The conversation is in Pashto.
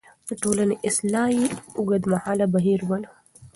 د ټولنې اصلاح يې اوږدمهاله بهير باله.